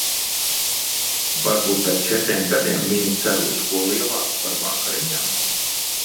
Varbūt pēc četriem gadiem viņa cer uz ko lielāku par vakariņām?